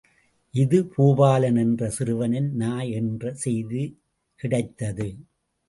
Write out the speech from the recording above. இது பூபாலன் என்ற சிறுவனின் நாய் என்ற செய்தி கிடைத்தது.